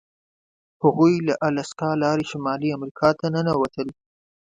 هغوی له الاسکا لارې شمالي امریکا ته ننوتل.